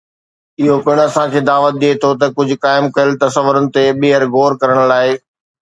اهو پڻ اسان کي دعوت ڏئي ٿو ته ڪجهه قائم ڪيل تصورن تي ٻيهر غور ڪرڻ لاء.